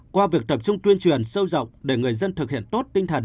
qua việc tập trung tuyên truyền sâu rộng để người dân thực hiện tốt tinh thần